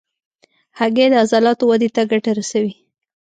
هګۍ د عضلاتو ودې ته ګټه رسوي.